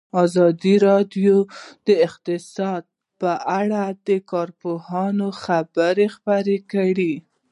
ازادي راډیو د اقتصاد په اړه د کارپوهانو خبرې خپرې کړي.